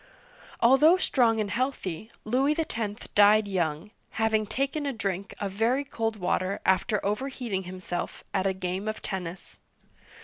Although strong and healthy, Louis X. died young, having taken a drink of very cold water after overheating himself at a game of tennis.